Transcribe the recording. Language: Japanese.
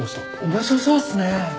面白そうっすね。